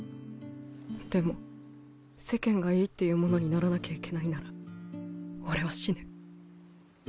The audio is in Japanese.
でも世間がいいっていうものにならなきゃいけないなら俺は死ぬ。